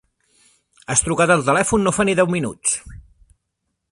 Has trucat al telèfon no fa ni deu minuts!